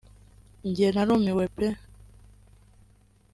Jye narumiwe pe